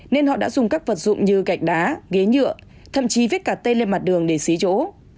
nên họ đã dùng các vật dụng như gạch đá ghế nhựa thậm chí viết cả tây lên mặt đường để xí chỗ